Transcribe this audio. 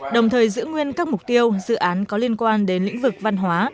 đồng thời giữ nguyên các mục tiêu dự án có liên quan đến lĩnh vực văn hóa